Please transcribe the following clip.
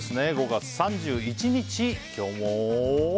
５月３１日、今日も。